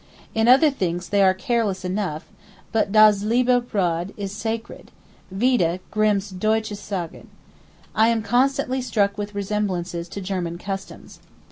In other things they are careless enough, but das liebe Brod is sacred—vide Grimm's Deutsche Sagen. I am constantly struck with resemblances to German customs.